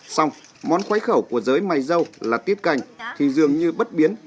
xong món quấy khẩu của giới may dâu là tiết canh thì dường như bất biến